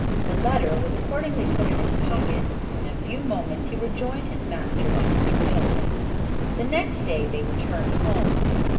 The letter was accordingly put in his pocket, and in a few moments he rejoined his master and Mr. Middleton. The next day they returned home.